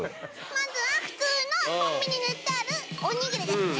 まずは普通のコンビニで売ってるおにぎりですね